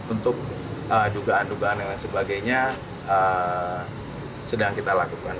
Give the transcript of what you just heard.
untuk dugaan dugaan dan sebagainya sedang kita lakukan